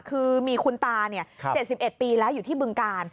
คือมีคุณตา๗๑ปีแล้วอยู่ที่บึงกาล